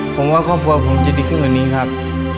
ผมว่าครอบครัวผมจะดีขึ้นกว่านี้ครับ